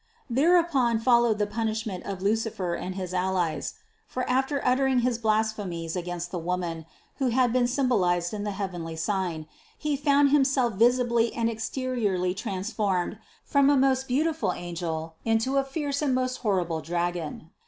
Thereupon followed the punish ment of Lucifer and his allies; for after uttering his blasphemies against the Woman, who had been symbol ized in the heavenly sign, he found himself visibly and exteriorly transformed from a most beautiful angel in to a fierce and most horrid dragon.